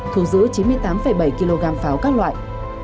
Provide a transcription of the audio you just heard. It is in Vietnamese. thu giữ chín mươi tám bảy kg pháo các loại